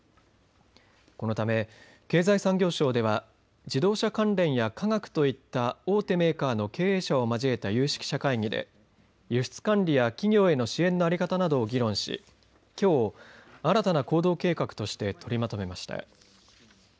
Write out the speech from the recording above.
このため経済産業省では自動車関連や化学といった大手メーカーの経営者を交えた有識者会議で輸出管理や企業への支援の在り方などを議論しきょう、新たな行動計画として取りまとめました。